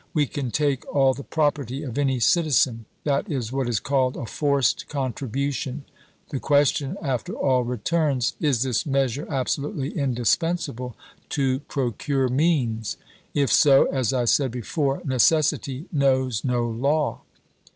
We can take all the property of any citizen. Thatis what is called a forced contribution. .. The question after all returns : Is this measure absolutely indispensable to procure means ? If so, as I said before, necessity knows no law.